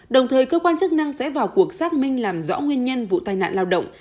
đồng thời cơ quan chức năng sẽ vào cuộc xác minh làm rõ nguyên nhân vụ tai nạn lao động